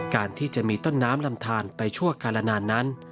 การที่จะมีต้นน้ำลำทานไปชั่วกาลนานนั้น